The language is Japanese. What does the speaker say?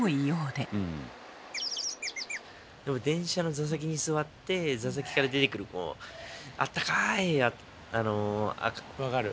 でも電車の座席に座って座席から出てくるもう分かる。